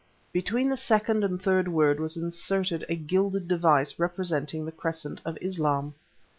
Between the second and third word was inserted a gilded device representing the crescent of Islâm.